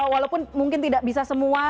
walaupun mungkin tidak bisa semua